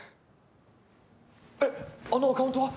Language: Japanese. えっあのアカウントは？